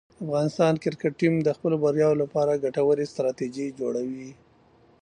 د افغانستان کرکټ ټیم د خپلو بریاوو لپاره ګټورې ستراتیژۍ جوړوي.